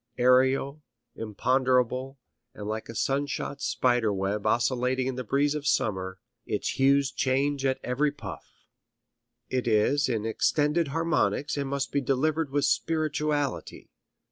Aerial, imponderable, and like a sun shot spider web oscillating in the breeze of summer, its hues change at every puff. It is in extended harmonics and must be delivered with spirituality.